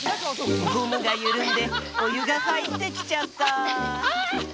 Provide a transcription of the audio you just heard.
ゴムがゆるんでおゆがはいってきちゃった。